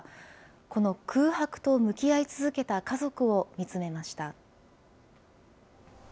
この空白と向き合い続けた家族を見つめました。